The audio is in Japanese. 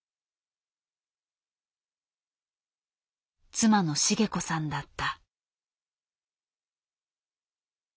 妻の茂子さんだった。